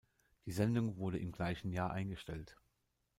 Die Sendung wurde im gleichen Jahr eingestellt.